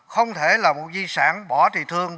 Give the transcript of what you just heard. không thể là một di sản bỏ thì thương